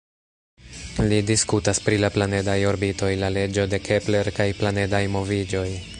Li diskutas pri la planedaj orbitoj, la leĝo de Kepler kaj planedaj moviĝoj.